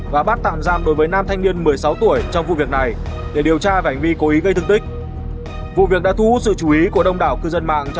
và bắt tạm giam đối với nam thanh niên một mươi sáu tuổi trong vụ việc này để điều tra và hành vi cố ý gây thương tích